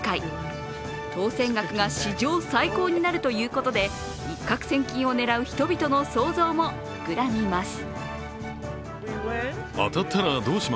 当選額が史上最高になるということで一獲千金を狙う人々の想像も膨らみます。